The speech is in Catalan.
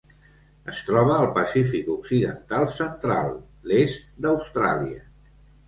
Es troba al Pacífic occidental central: l'est d'Austràlia.